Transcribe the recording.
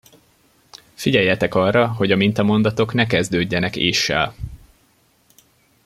Figyeljetek arra, hogy a mintamondatok ne kezdődjenek és-sel!